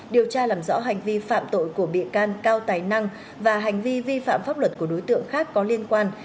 điều tra làm rõ hành vi phạm tội của bị can cao tài năng và hành vi vi phạm pháp luật của đối tượng khác có liên quan